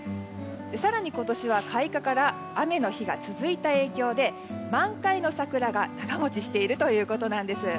更に今年は開花から雨の日が続いた影響で満開の桜が長持ちしているということです。